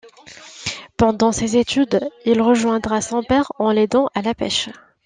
Pendant ses études, il rejoindra son père en l'aidant à la pêche.